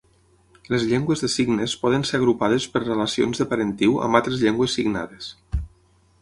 Les llengües de signes poden ser agrupades per relacions de parentiu amb altres llengües signades.